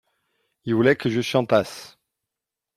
il voulait que je chantasse.